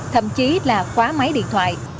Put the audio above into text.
thậm chí là khóa máy điện thoại